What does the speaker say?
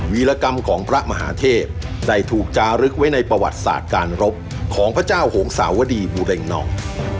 วิรกรรมของพระมหาเทพได้ถูกจารึกไว้ในประวัติศาสตร์การรบของพระเจ้าโหงสาวดีบูเร็งนอง